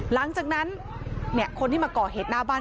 หลังจากนั้นคนที่มาก่อเหตุหน้าบ้าน